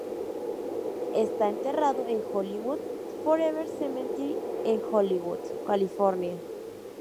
Esta enterrado en el Hollywood Forever Cemetery en Hollywood, California.